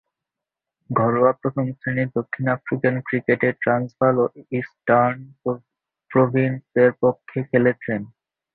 ঘরোয়া প্রথম-শ্রেণীর দক্ষিণ আফ্রিকান ক্রিকেটে ট্রান্সভাল ও ইস্টার্ন প্রভিন্সের পক্ষে খেলেছেন।